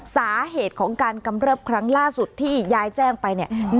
สาเหตุของการกำเริบครั้งล่าสุดที่ยายแจ้งไปเนี่ย